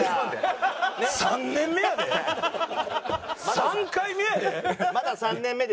３回目やで？